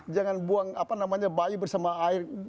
jangan buang bayi bersama air